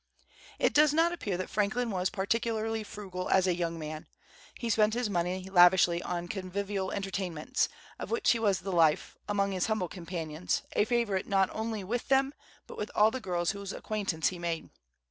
It does not appear that Franklin was particularly frugal as a young man. He spent his money lavishly in convivial entertainments, of which he was the life, among his humble companions, a favorite not only with them, but with all the girls whose acquaintance he made.